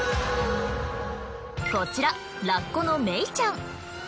こちらラッコのメイちゃん。